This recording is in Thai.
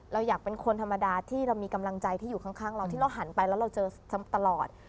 เราอยากเป็นคนธรรมดาที่เรามีกำลังใจที่อยู่ข้างเราที่เราหันไปแล้วเราเจอตลอด